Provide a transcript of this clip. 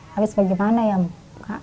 habis bagaimana ya bu